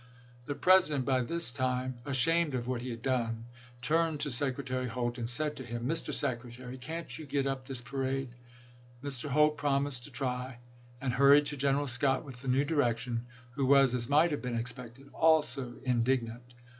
The President, by this time ashamed of what he had done, turned to Secretary Holt and said to him : "Mr. Secretary, can't you get up this parade !" Mr. Holt promised to try, and hurried to General Scott with the new direction, who was, as might have been expected, also indignant.